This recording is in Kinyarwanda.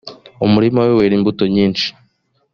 umurima we wera imbuto nyinshi